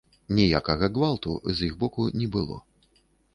Ніякага гвалту з іх боку не было.